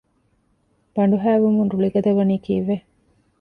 ބަނޑުހައި ވުމުން ރުޅި ގަދަވަނީ ކީއްވެ؟